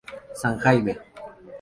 San Jaime